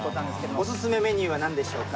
お勧めメニューはなんでしょうか？